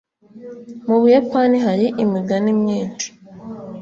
Mu Buyapani hari imigani myinshi.